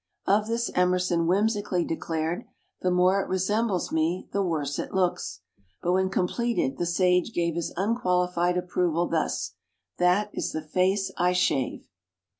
Of this Emerson whimsically declared, "The more it resembles me, the worse it looks." But when completed the sage gave his unqualified approval thus: "That is the face I shave."